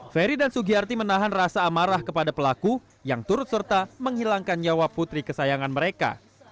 ferry dan sugiyarti menahan rasa amarah kepada pelaku yang turut serta menghilangkan nyawa putri kesayangan mereka